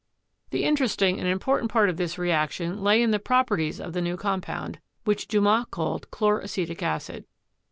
The interesting and important part of this reaction lay in the properties of the new com pound, which Dumas called chloracetic acid.